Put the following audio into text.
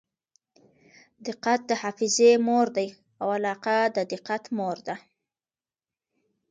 دقت د حافظې مور دئ او علاقه د دقت مور ده.